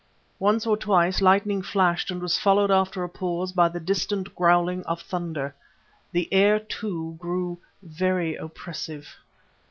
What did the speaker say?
Once or twice lightning flashed and was followed after a pause by the distant growling of thunder. The air, too, grew very oppressive.